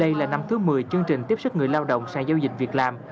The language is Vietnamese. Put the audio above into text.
đây là năm thứ một mươi chương trình tiếp xúc người lao động sang giao dịch việc làm